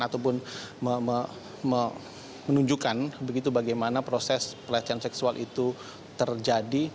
ataupun menunjukkan bagaimana proses pelacian seksual itu terjadi